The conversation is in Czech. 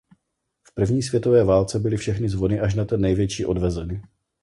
V první světové válce byly všechny zvony až na ten největší odvezeny.